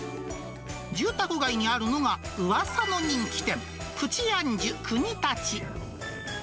住宅街にあるのが、うわさの人気店、プチ・アンジュ国立。